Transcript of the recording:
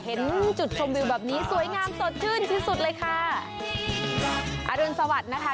เห็นจุดชมวิวแบบนี้สวยงามสดชื่นที่สุดเลยค่ะอรุณสวัสดิ์นะคะ